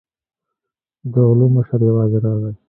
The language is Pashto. د غلو مشر یوازې راغی.